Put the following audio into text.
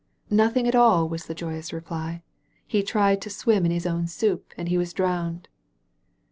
"Nothing at all," was the joyous reply. "He tried to swim in his own soup and he was drowned."